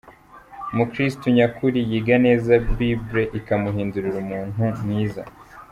Umukristu nyakuri, yiga neza Bible ikamuhindura umuntu mwiza.